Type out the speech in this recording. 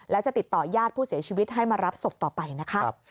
และจะติดต่อญาติผู้เสียชีวิตให้มารับศพต่อไปนะคะ